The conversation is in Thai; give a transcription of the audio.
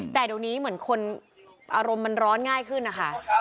แต่เดี๋ยวนี้เหมือนคนอารมณ์มันร้อนง่ายขึ้นนะคะ